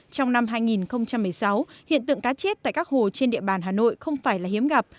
trong năm hai nghìn một mươi sáu hiện tượng cá chết tại các hồ trên địa bàn hà nội không phải là hiếm gặp